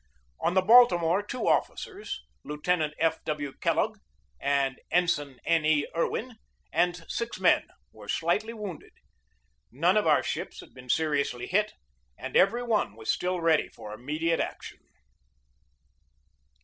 On the Baltimore two officers (Lieuten ant F. W. Kellogg and Ensign N. E. Irwin) and six men were slightly wounded. None of our ships had been seriously hit, and every one was still ready for immediate action.